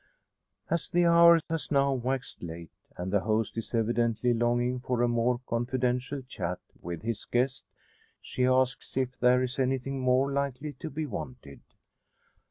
As the hour has now waxed late, and the host is evidently longing for a more confidential chat with his guest, she asks if there is anything more likely to be wanted.